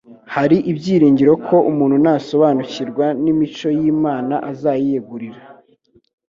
Hari ibyiringiro ko umuntu nasobanukirwa n'imico y'Imana azayiyegurira.